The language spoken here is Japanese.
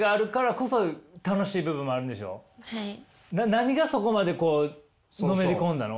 何がそこまでのめり込んだの？